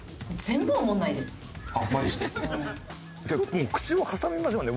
もう口も挟みませんもんね